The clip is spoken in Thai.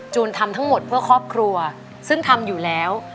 ทำทั้งหมดเพื่อครอบครัวซึ่งทำอยู่แล้ว